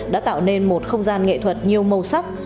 đã tạo nên một không gian nghệ thuật nhiều màu sắc